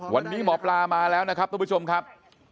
วันนี้หมอปลามาแล้วนะครับทุกผู้ชมครับ